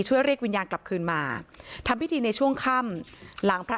เรียกวิญญาณกลับคืนมาทำพิธีในช่วงค่ำหลังพระ